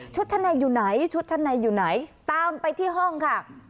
ชั้นในอยู่ไหนชุดชั้นในอยู่ไหนตามไปที่ห้องค่ะ